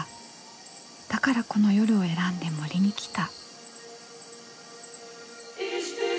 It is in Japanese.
だからこの夜を選んで森に来た。